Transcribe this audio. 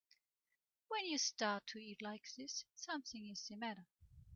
When you start to eat like this something is the matter.